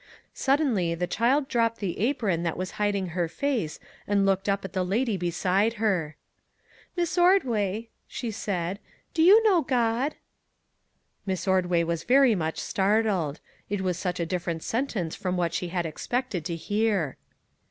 Sud denly the child dropped the apron that was hid ing her face and looked up at the lady beside her. " Miss Ordway," she said, " do you know God?" Miss Ordway was very much startled; it was such a different sentence from what she had expected to hear.